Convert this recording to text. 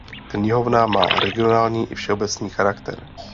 Knihovna má regionální i všeobecný charakter.